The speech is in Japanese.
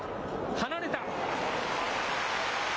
離れた。